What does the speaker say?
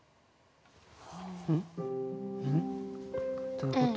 どういうこと？